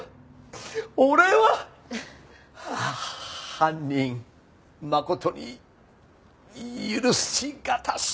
犯人誠に許しがたし！